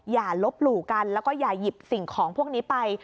อย่าลบหลู่กันแล้วก็อย่าหยิบสิ่งของพวกนี้ไป